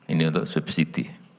ini untuk subsidi